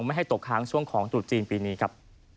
ไม่ให้ตกค้างช่วงของตรุษจีนปีนี้ครับ